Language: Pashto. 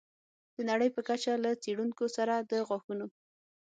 د نړۍ په کچه له څېړونکو سره د غاښونو